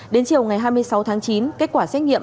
đến chiều ngày hai mươi sáu tháng chín kết quả xét nghiệm